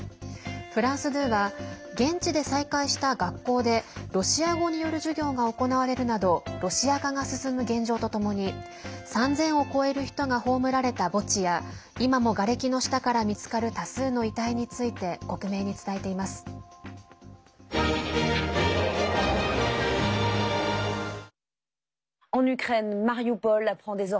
フランス２は現地で再開した学校でロシア語による授業が行われるなどロシア化が進む現状とともに３０００を超える人が葬られた墓地や今も、がれきの下から見つかる多数の遺体について克明に伝えています。